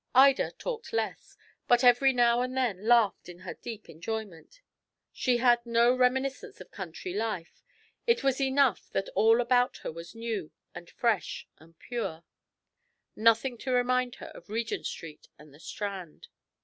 Ida talked less, but every now and then laughed in her deep enjoyment. She had no reminiscence of country life it was enough that all about her was new and fresh and pure; nothing to remind her of Regent Street and the Strand.